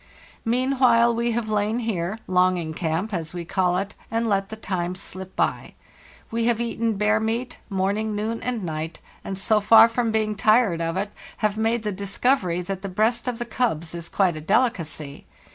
"Meanwhile we have lain here— Longing Camp,' as we call it—and let the time slip by. We have eaten bear meat morning, noon, and night, and, so far from being tired of it, have made the discovery that the breast of the cubs is quite a delicacy.